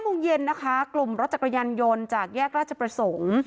โมงเย็นนะคะกลุ่มรถจักรยานยนต์จากแยกราชประสงค์